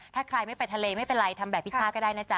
ถ้าใครไม่ไปทะเลไม่เป็นไรทำแบบพิช่าก็ได้นะจ๊